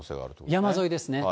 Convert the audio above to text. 山沿いですね。